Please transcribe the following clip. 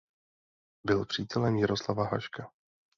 Byl přítelem Jaroslava Haška.